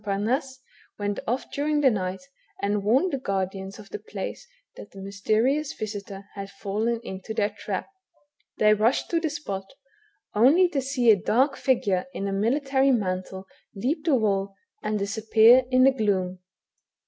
Pamasse, went off during the night, and warned the guardians of the place that the mysterious visitor had fallen into* their trap. They rushed to the spot, only to see a dark figure in a military mantle leap the wall, and disappear in the gloom.